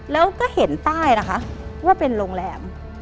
แล้วก็เห็นใต้นะคะว่าเป็นโรงแรม